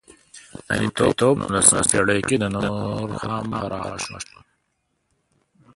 مریتوب په نولسمه پېړۍ کې نور هم پراخه شوه.